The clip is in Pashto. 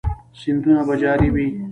سیندونه به جاری وي؟